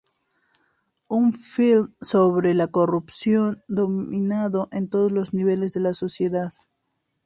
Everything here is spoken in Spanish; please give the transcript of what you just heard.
Un filme sobre la corrupción dominando en todos los niveles de la sociedad.